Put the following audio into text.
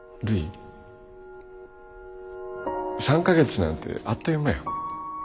３か月なんてあっという間や。